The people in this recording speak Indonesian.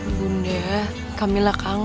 k calend starter kayaknya